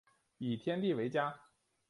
以天地为家